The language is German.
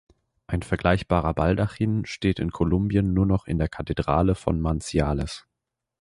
Ein vergleichbarer Baldachin steht in Kolumbien nur noch in der Kathedrale von Manizales.